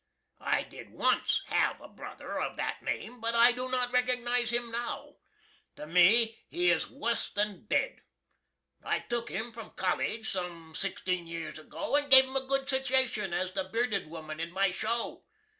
I did ONCE hav a berruther of that name, but I do not recugnize him now. To me he is wuss than ded! I took him from collige sum 16 years ago and gave him a good situation as the Bearded Woman in my Show.